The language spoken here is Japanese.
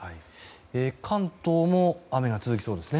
関東も雨が続きそうですね。